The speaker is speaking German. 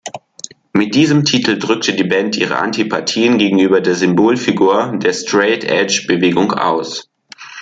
Mit diesem Titel drückte die Band ihre Antipathien gegenüber der Symbolfigur der Straight-Edge-Bewegung aus.